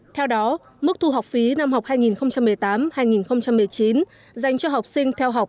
theo đó mức thu học phí năm học hai nghìn một mươi tám hai nghìn một mươi chín dành cho học sinh theo học